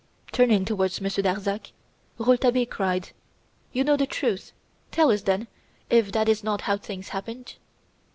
Turning towards Monsieur Darzac, Rouletabille cried: "You know the truth! Tell us, then, if that is not how things happened."